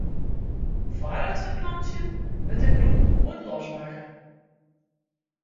Fóár it ferplantsjen wurdt de grûn goed losmakke.